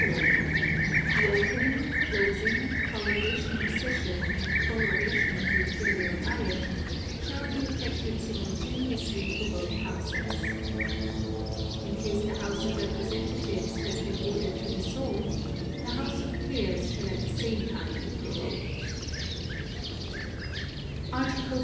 The opening, closing, prolongation of session and prorogation of the Imperial Diet, shall be effected simultaneously for both Houses. (2) In case the House of Representatives has been ordered to dissolve, the House of Peers shall at the same time be prorogued. Article 45.